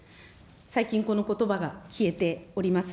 最近、このことばが消えております。